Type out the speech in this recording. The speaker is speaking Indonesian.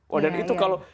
wah itu tuh hari itu